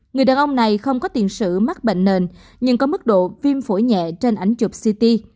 người đàn ông này không có tiền sử mắc bệnh nền nhưng có mức độ viêm phổi nhẹ trên ảnh chụp ct